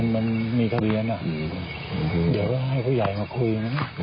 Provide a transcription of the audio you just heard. มันมีทะเบียนเดี๋ยวก็ให้ผู้ใหญ่มาคุยนะ